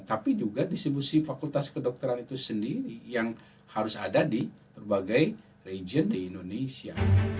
tapi juga distribusi fakultas kedokteran itu sendiri yang harus ada di berbagai region di indonesia